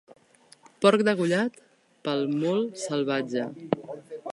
Porc degollat pel molt salvatge.